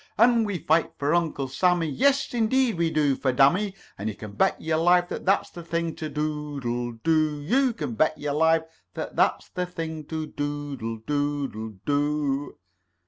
And we fight for Uncle Sammy, Yes, indeed we do, for damme You can bet your life that that's the thing to do, Doodle do! You can bet your life that that's the thing to doodle doodle doodle doodle do."